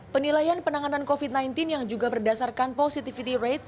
penilaian penanganan covid sembilan belas yang juga berdasarkan positivity rate